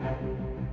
masa yang baik